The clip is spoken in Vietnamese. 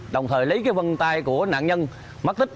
đồng thời lấy cái vân tay của nạn nhân mất tích